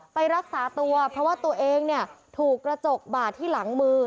ไปรักษาตัวเพราะว่าตัวเองเนี่ยถูกกระจกบาดที่หลังมือ